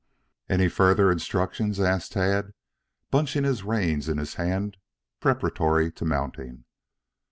"Any further instructions?" asked Tad, bunching the reins in his hand preparatory to mounting.